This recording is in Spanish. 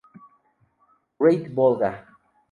Great Volga.